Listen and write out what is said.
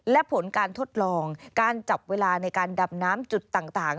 และผลการทดลองการจับเวลาในการดำน้ำจุดต่าง